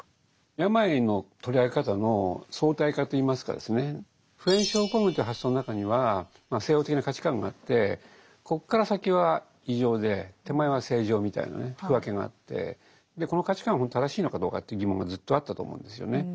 病の取り上げ方の相対化といいますか普遍症候群という発想の中にはまあ西欧的な価値観があってここから先は異常で手前は正常みたいなね区分けがあってこの価値観はほんと正しいのかどうかという疑問がずっとあったと思うんですよね。